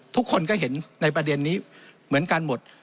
ทุกคนก็เห็นในประเด็นนี้เหมือนกันหมด